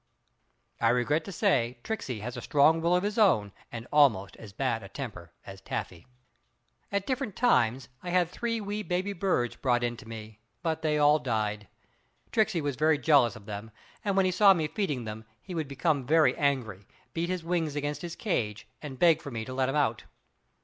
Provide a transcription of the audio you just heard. I regret to say Tricksey has a strong will of his own and almost as bad a temper as Taffy. At different times I had three wee baby birds brought in to me, but they all died. Tricksey was very jealous of them, and when he saw me feeding them he would become very angry, beat his wings against his cage, and beg for me to let him out.